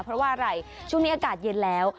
เพราะว่าอะไรช่วงนี้อากาศเย็นแล้ว